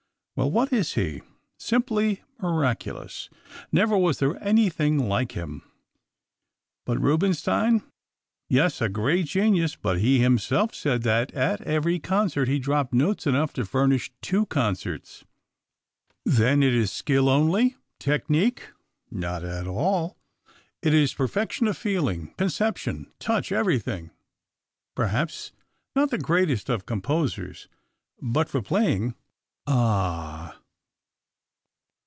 "Well, what is he?" "Simply miraculous; never was there anything like him." "But Rubinstein?" "Yes, a great genius, but he himself said that at every concert he dropped notes enough to furnish two concerts." "Then it is skill only, technique?" "Not at all; it is perfection of feeling, conception, touch, everything. Perhaps not the greatest of composers. But for playing ah!"